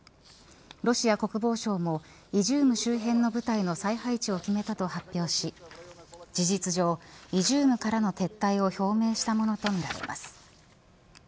ロシア国防省もイジューム周辺の部隊の再配置を決めたと発表し事実上イジュームからの撤退を表明したものとみられます。